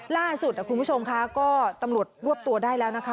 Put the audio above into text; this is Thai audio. ล่าสุดคุณผู้ชมค่ะก็ตำรวจรวบตัวได้แล้วนะคะ